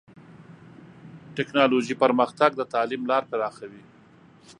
ټکنالوژي پرمختګ د تعلیم لار پراخوي.